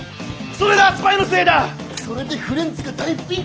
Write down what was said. それでフレンズが大ピンチなんだよ！